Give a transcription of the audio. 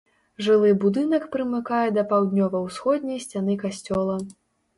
Жылы будынак прымыкае да паўднёва-ўсходняй сцяны касцёла.